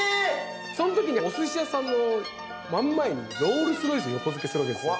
その時におすし屋さんの真ん前にロールスロイス横付けするわけですよ。